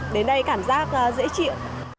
đến đây cảm giác dễ chịu